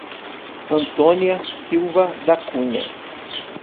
Antônia Silva da Cunha